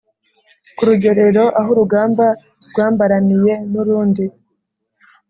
kurugerero ahurugamba rwambaraniye nurundi